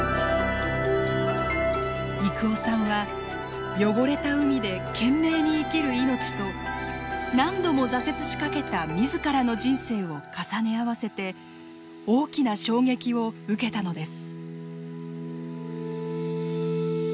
征夫さんは汚れた海で懸命に生きる命と何度も挫折しかけた自らの人生を重ね合わせて大きな衝撃を受けたのです。